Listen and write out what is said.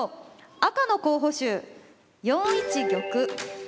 赤の候補手４一玉。